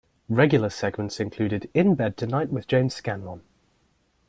Regular segments included "In Bed Tonight with James Scanlon".